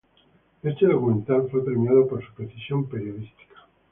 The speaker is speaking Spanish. Este documental fue premiado por su precisión periodística.